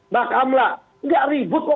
bakamla gak ribut kok